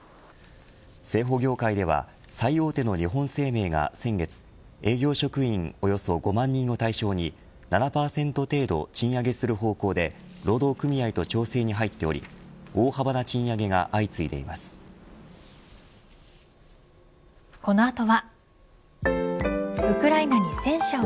生保業界では最大手の日本生命が先月営業職員およそ５万人を対象に７％程度賃上げする方向で労働組合と調整に入っており今日ひといきつきましたか？